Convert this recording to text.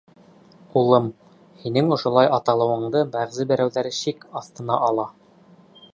— Улым, һинең ошолай аталыуынды бәғзе берәүҙәр шик аҫтына ала!